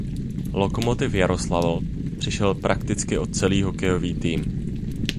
Lokomotiv Jaroslavl přišel prakticky o celý hokejový tým.